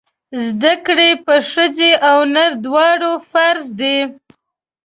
زده کړې په ښځه او نر دواړو فرض دی!